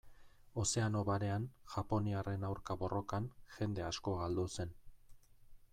Ozeano Barean, japoniarren aurka borrokan, jende asko galdu zen.